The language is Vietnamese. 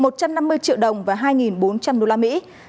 một trăm năm mươi triệu đồng và hai bốn trăm linh đô la mỹ